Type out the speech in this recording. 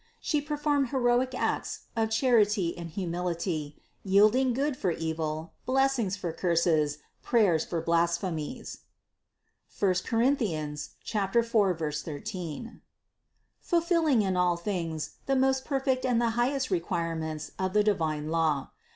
She performed heroic acts of charity and humility, yield ing good for evil, blessings for curses, prayers for blasphemies (I Cor. 4, 13), fulfilling in all things the most perfect and the highest requirements of the divine law.